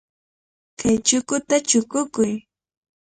Kay chukuta chukukuy.